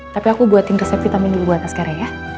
tapi aku buatin resep vitamin dulu buat naskara ya